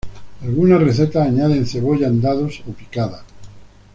Algunas recetas añaden cebolla en dados o picada.